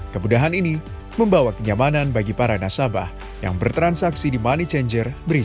kemudahan ini membawa kenyamanan bagi para nasabah yang bertransaksi di money changer